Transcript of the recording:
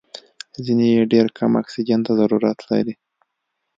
ځینې یې ډېر کم اکسیجن ته ضرورت لري.